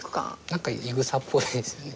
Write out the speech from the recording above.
何かいぐさっぽいですよね。